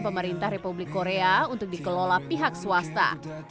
pemerintah republik korea untuk dikelola pihak swasta